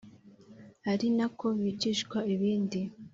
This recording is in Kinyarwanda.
ari na ko bigishwa ibindi